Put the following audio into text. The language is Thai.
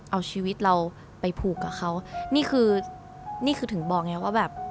เอาชีวิตเราไปผูกกับเขานี่คือนี่คือถึงบอกไงว่าแบบ